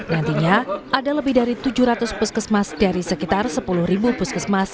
nantinya ada lebih dari tujuh ratus puskesmas dari sekitar sepuluh puskesmas